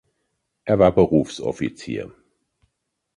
Er war Berufsoffizier.